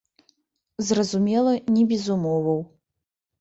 Зразумела, не без умоваў.